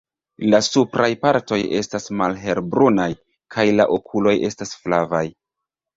La supraj partoj estas malhelbrunaj, kaj la okuloj estas flavaj.